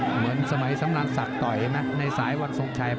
เหมือนสมัยสำราญศักดิ์ต่อยนะในสายวันทรงชัย